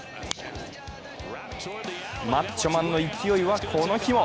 マッチョマンの勢いは、この日も。